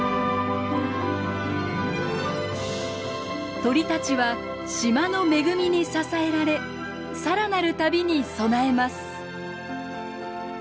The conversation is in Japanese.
鳥たちは島の恵みに支えられさらなる旅に備えます。